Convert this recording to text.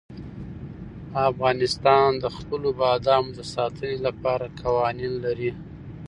افغانستان د خپلو بادامو د ساتنې لپاره قوانین لري.